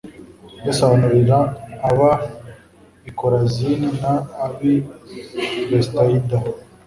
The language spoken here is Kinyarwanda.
Yesu ahanurira ab i Korazini n ab i Betsayida